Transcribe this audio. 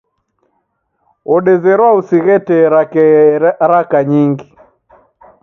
Wodezerwa usighe tee rake raka nyingi.